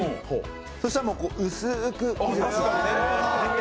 そしたら薄く。